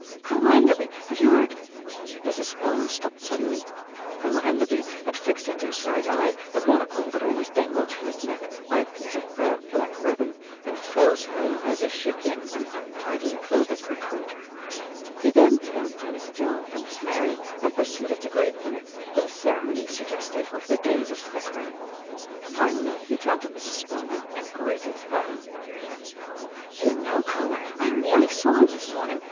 Colonel Enderby, have vou heard ?" Mrs. Spelman stopped suddenly. Colonel Enderby had fixed into his right eye the monocle that always dangled from his neck by a piece of broad black ribbon, and froze her as if she had been an untidily clothed recruit. He then turned to Miss Tell and Miss Mary, and proceeded to greet them with a ceremony sug 108 THE RETURN OF ALFRED gestive of the days of Thackeray; finally he turned to Mrs. Spelman and "greeted" her. "You know, Colonel, I nearly saw him this morn ing!"